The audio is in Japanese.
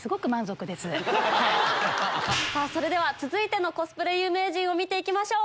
それでは続いてのコスプレ有名人見て行きましょう。